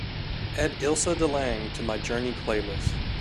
Add ilse delange to my journey playlist